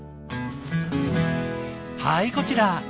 はいこちら。